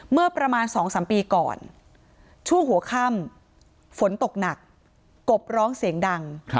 เมื่อประมาณ๒๓ปีก่อนช่วงหัวค่ำฝนตกหนักกบร้องเสียงดัง